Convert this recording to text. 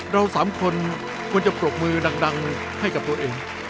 เราสามคนควรจะปรบมือดังให้กับตัวเอง